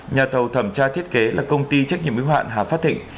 nhà thầu thẩm tra thiết kế là công ty trách nhiệm yếu hạn hà phát thịnh